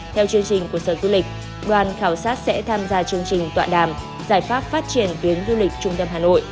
theo chương trình của sở du lịch đoàn khảo sát sẽ tham gia chương trình tọa đàm giải pháp phát triển tuyến du lịch trung tâm hà nội